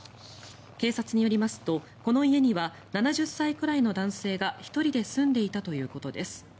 警察によりますとこの家には７０歳ぐらいの男性が１人で住んでいたということです。